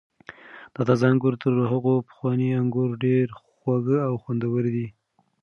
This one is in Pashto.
دا تازه انګور تر هغو پخوانیو انګور ډېر خوږ او خوندور دي.